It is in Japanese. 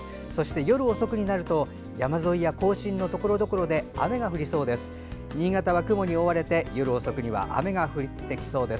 夜遅くになると山沿いや甲信のところどころで雨が降りそうです。